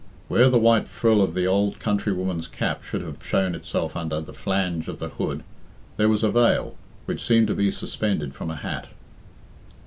Where the white frill of the old countrywoman's cap should have shown itself under the flange of the hood, there was a veil, which seemed to be suspended from a hat.